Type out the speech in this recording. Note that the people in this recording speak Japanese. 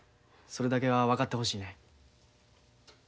それだけは分かってほしいねん。